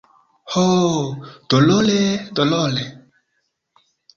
Ho, dolore, dolore!